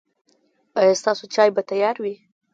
ایا ستاسو چای به تیار وي؟